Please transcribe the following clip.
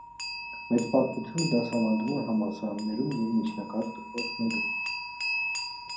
Մեծ պատմությունը դասավանդվում է համալսարաններում և միջնակարգ դպրոցներում։